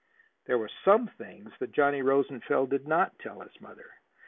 There were some things that Johnny Rosenfeld did not tell his mother.